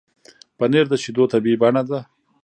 پنېر د شیدو طبیعي بڼه ده.